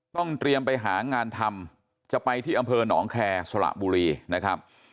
ต้องเตรียมไปหางานทำจะไปที่อำเภอหนองแคร์สละบุรีนะครับ